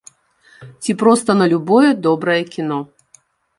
Ці проста на любое добрае кіно.